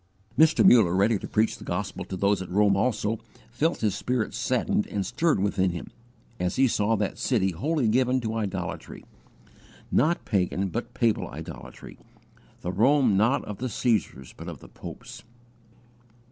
Mr. Muller, ready to preach the gospel to those at Rome also, felt his spirit saddened and stirred within him, as he saw that city wholly given to idolatry not pagan but papal idolatry the Rome not of the Caesars, but of the popes.